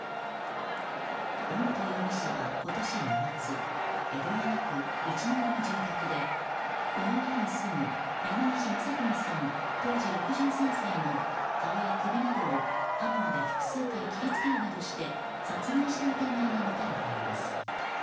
尾本容疑者は今年２月江戸川区一之江の住宅でこの家に住む山岸正文さん、当時６３歳の顔や首などを刃物で複数回切り付けるなどして殺害した疑いが持たれています。